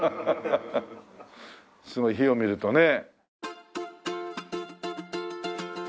すごい火を見るとね。